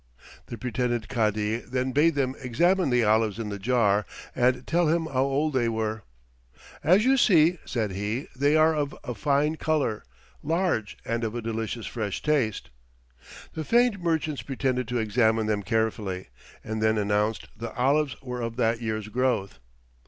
The pretended Cadi then bade them examine the olives in the jar and tell him how old they were. "As you see," said he, "they are of a fine color, large, and of a delicious fresh taste." The feigned merchants pretended to examine them carefully and then announced the olives were of that year's growth.